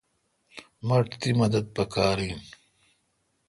مٹھ تی مدد پکار این۔